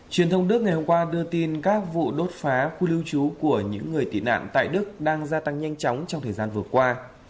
truyền thông đức ngày hôm qua đưa tin các vụ đốt phá khu lưu trú của những người tị nạn tại đức đang gia tăng nhanh chóng trong thời gian vừa qua